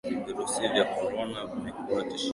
Virusi vya korona vimekuwa tishio kuu duniani